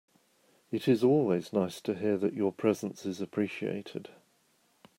It is always nice to hear that your presence is appreciated.